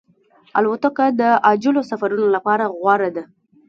الوتکه د عاجلو سفرونو لپاره غوره ده.